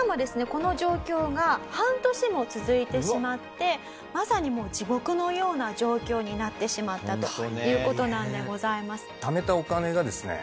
この状況が半年も続いてしまってまさにもう地獄のような状況になってしまったという事なんでございます。